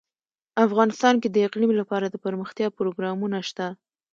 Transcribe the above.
افغانستان کې د اقلیم لپاره دپرمختیا پروګرامونه شته.